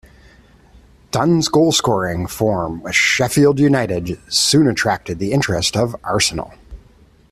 Dunne's goalscoring form with Sheffield United soon attracted the interest of Arsenal.